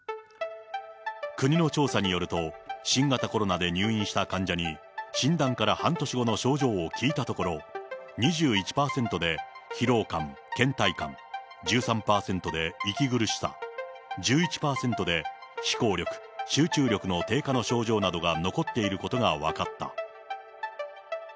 国の調査によると、新型コロナで入院した患者に診断から半年後の症状を聞いたところ、２１％で疲労感、けん怠感、１３％で息苦しさ、１１％で思考力、集中力の低下などの症状が残っていることが分かった。